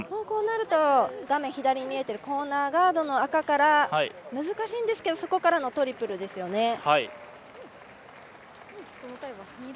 こうなると画面左に見えているコーナーガードの赤から難しいんですがそこからのトリプルですよね。